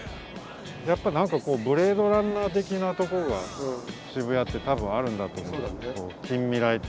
やっぱ何かこう「ブレードランナー」的なとこが渋谷ってたぶんあるんだと思うんだけど近未来